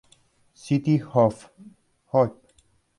City Of Hope.